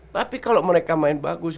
tapi kalau mereka main bagus